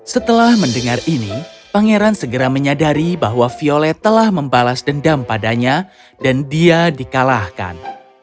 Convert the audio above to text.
setelah mendengar ini pangeran segera menyadari bahwa violet telah membalas dendam padanya dan dia dikalahkan